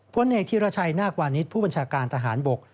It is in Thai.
พลเอกธิรชัยนาควานิสผู้บัญชาการทหารบก